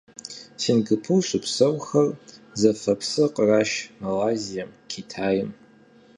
Сингапур щыпсэухэр зэфэ псыр къраш Малайзием, Китайм.